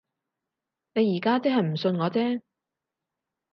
你而家即係唔信我啫